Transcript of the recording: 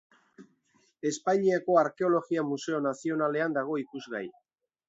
Espainiako Arkeologia Museo Nazionalean dago ikusgai.